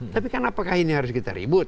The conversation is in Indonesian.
tapi kan apakah ini harus kita ribut